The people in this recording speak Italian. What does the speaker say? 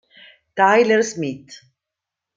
Tyler Smith